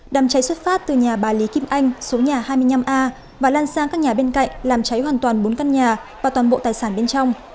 đàm cháy xuất phát từ nhà bà lý kim anh số nhà hai mươi năm a và lan sang các nhà bên cạnh làm cháy hoàn toàn bốn căn nhà và toàn bộ tài sản bên trong